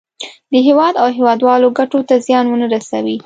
د هېواد او هېوادوالو ګټو ته زیان ونه رسوي.